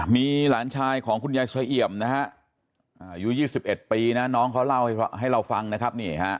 มีหลานชายของคุณยายเสี่ยมนะฮะอายุ๒๑ปีนะน้องเขาเล่าให้เราฟังนะครับ